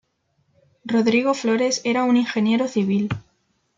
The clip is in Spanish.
Rodrigo Flores era un ingeniero civil.